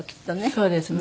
そうですね。